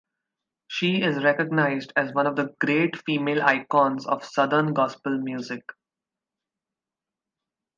She is recognized as one of the great female icons of southern gospel music.